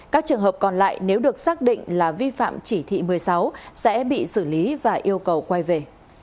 các trường hợp còn lại nếu được xác định là vi phạm chỉ thị một mươi sáu sẽ bị xử lý và yêu cầu quay về